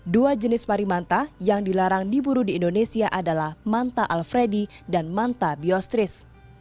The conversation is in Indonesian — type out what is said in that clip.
dua jenis parimanta yang dilarang diburu di indonesia adalah manta alfredi dan manta biostris